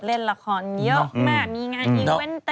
เล่นละครเยอะมากมีงานอีกเว้นเต็มไปหมดเลย